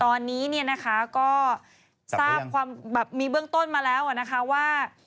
ตอนนี้ก็ทราบความมีเบื้องต้นมาแล้วว่า